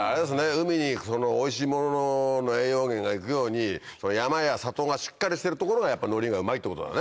海においしいものの栄養源が行くように山や里がしっかりしてる所がのりがうまいってことだね。